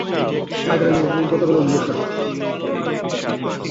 হায়দার আলী গতকাল অভিযোগ করেন, শনিবার রাতে তাঁর বাড়িতে গুলি ছোড়া হয়।